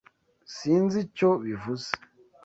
Sinzi icyo bivuze.